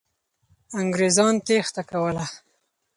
انګریزان تېښته کوله.